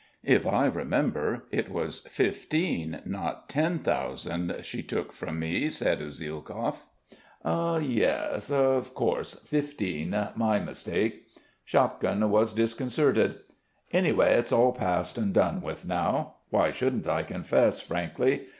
"If I remember it was fifteen, not ten thousand she took from me," said Usielkov. "Yes, of course ... fifteen, my mistake." Shapkin was disconcerted. "Anyway it's all past and done with now. Why shouldn't I confess, frankly?